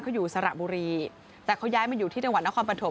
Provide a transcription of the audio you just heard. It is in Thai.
เขาอยู่สระบุรีแต่เขาย้ายมาอยู่ที่จังหวัดนครปฐม